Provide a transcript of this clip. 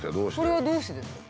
これはどうしてですか？